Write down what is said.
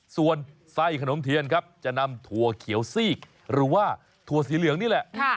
ส่วนไส้ขนมเทียนครับจะนำถั่วเขียวซีกหรือว่าถั่วสีเหลืองนี่แหละ